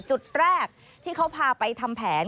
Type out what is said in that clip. จุดแรกที่เขาพาไปทำแผน